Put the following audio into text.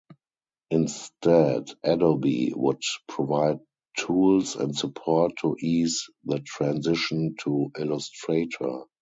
Instead, Adobe would provide tools and support to ease the transition to Illustrator.